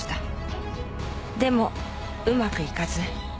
でもうまくいかず。